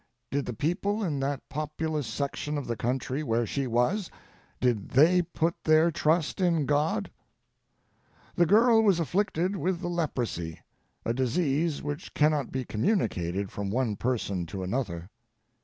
Did the people in that populous section of the country where she was—did they put their trust in God? The girl was afflicted with the leprosy, a disease which cannot be communicated from one person to another.